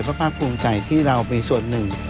ก็ภาคภูมิใจที่เรามีส่วนหนึ่ง